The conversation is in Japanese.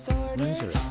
それ。